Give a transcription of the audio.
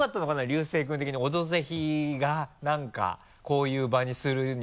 龍聖君的に「オドぜひ」が何かこういう場にするには。